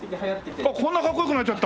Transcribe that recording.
こんなかっこよくなっちゃった？